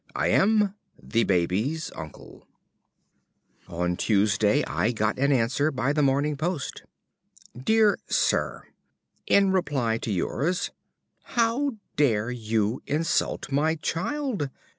I am, ~The Baby's Uncle~. On Tuesday I got an answer by the morning post: Dear Sir, In reply to yours: How dare you insult my child?